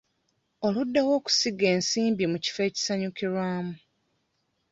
Oluddewo okusiga ensimbi mu kifo ekisanyukirwamu.